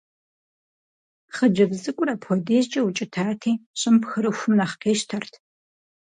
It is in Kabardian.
Хъыджэбз цӀыкӀур апхуэдизкӀэ укӀытати, щӀым пхырыхум нэхъ къищтэрт.